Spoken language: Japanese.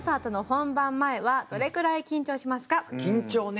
緊張ね。